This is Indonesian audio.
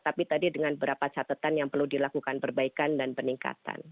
tapi tadi dengan beberapa catatan yang perlu dilakukan perbaikan dan peningkatan